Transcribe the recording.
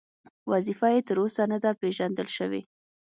وظیفه یې تر اوسه نه ده پېژندل شوې.